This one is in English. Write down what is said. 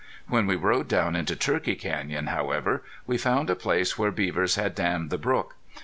When we rode down into Turkey Canyon, however, we found a place where beavers had dammed the brook.